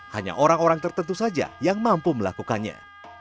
hanya orang orang tertentu saja yang mampu melakukannya